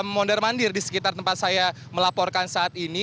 mondar mandir di sekitar tempat saya melaporkan saat ini